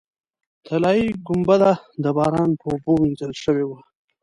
طلایي ګنبده د باران په اوبو وینځل شوې وه.